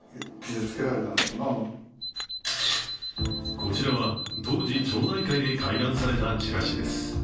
こちらは、当時、町内会で回覧されたチラシです。